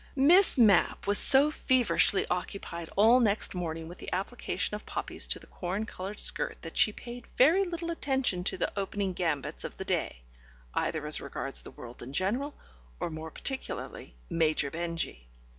Miss Mapp was so feverishly occupied all next morning with the application of poppies to the corn coloured skirt that she paid very little attention to the opening gambits of the day, either as regards the world in general, or, more particularly, Major Benjy.